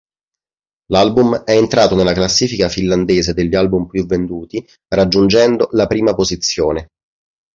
L'album è entrato nella classifica finlandese degli album più venduti raggiungendo la prima posizione.